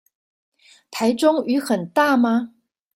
臺中雨很大嗎？